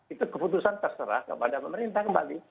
itu keputusan terserah kepada pemerintah kembali